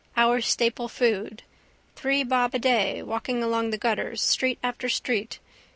Our staple food. Three bob a day, walking along the gutters, street after street.